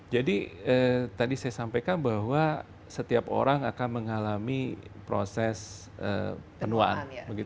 jadi tadi saya sampaikan bahwa setiap orang akan mengalami proses penuaan